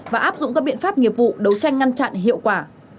và áp dụng các biện pháp nghiệp vụ đấu tranh ngăn chặn hiệu quả